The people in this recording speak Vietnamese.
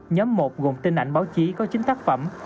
nhóm một gồm tin ảnh báo chí có chín tác phẩm